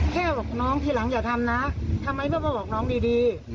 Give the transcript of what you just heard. แค่บอกน้องทีหลังอย่าทำนะทำไมไม่มาบอกน้องดี